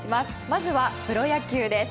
まずはプロ野球です。